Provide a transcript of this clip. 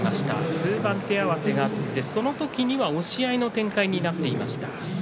数番、手合わせをしてその時には押し合いの展開になっていました。